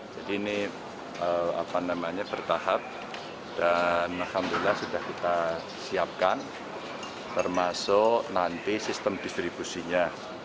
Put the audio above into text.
jadi ini bertahap dan alhamdulillah sudah kita siapkan termasuk nanti sistem distribusinya